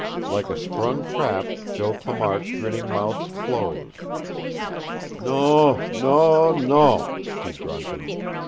Like a sprung trap Joe Clamart's grinning mouth dosed. "Non, non, non," he grunted.